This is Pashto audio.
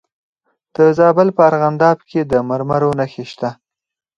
د زابل په ارغنداب کې د مرمرو نښې شته.